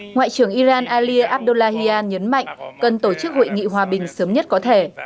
ngoại trưởng iran ali abdullahian nhấn mạnh cần tổ chức hội nghị hòa bình sớm nhất có thể